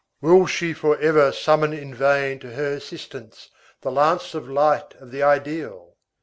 Will she forever summon in vain to her assistance the lance of light of the ideal?